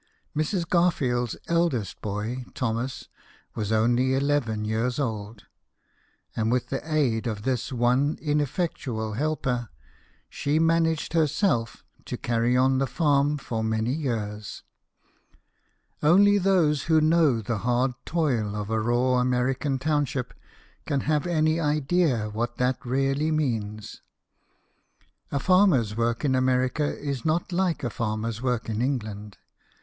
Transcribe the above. Mrs. Garfield's eldest boy, Thomas, was only eleven years old ; and with the aid of this one inef fectual helper, she managed herself to carry on the farm for many years. Only those who know the hard toil of a raw American township can have any idea what that really means. A farmer's work in America is not like a farmer's work in England.